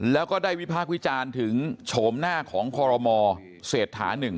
แล้วก็ได้วิพากษ์วิจารณ์ถึงโฉมหน้าของคอรมอเศรษฐา๑